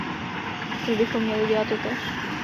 My bychom měli dělat totéž.